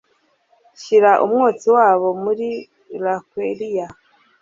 Shira umwotsi wabo muri laquearia